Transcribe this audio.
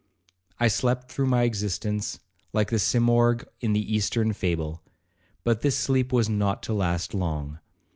I slept through my existence like the Simorgh in the Eastern fable, but this sleep was not to last long.